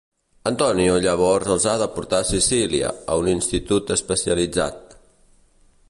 Antonio llavors els ha de portar a Sicília, a un institut especialitzat.